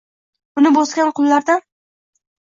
Unib-o‘sgan qullardan